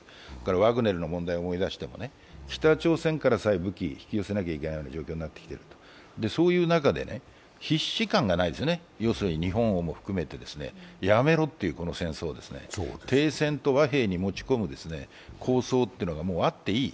ワグネルの問題を思い出しても北朝鮮から武器を引き寄せないといけない状況になった、そういう中で、必死感がないですよね、日本も含めてこの戦争をやめろという、停戦と和平に持ち込む゜構想っていうのがあっていい。